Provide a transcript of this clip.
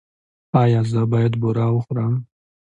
ایا زه باید بوره وخورم؟